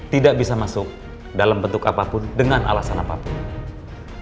tidak bisa masuk dalam bentuk apapun dengan alasan apapun